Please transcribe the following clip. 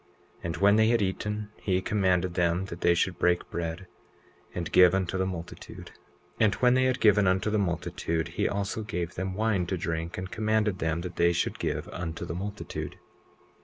20:4 And when they had eaten he commanded them that they should break bread, and give unto the multitude. 20:5 And when they had given unto the multitude he also gave them wine to drink, and commanded them that they should give unto the multitude.